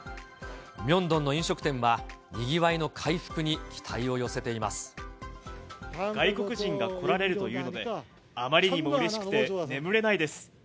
ミョンドンの飲食店は、にぎわい外国人が来られるというので、あまりにもうれしくて、眠れないです。